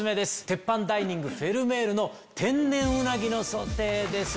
鉄板ダイニングふぇるめーるの天然うなぎのソテーです。